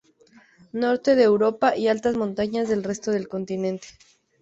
Norte de Europa, y altas montañas del resto del continente.